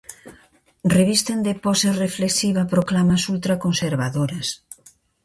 Revisten de pose reflexiva proclamas ultraconservadoras.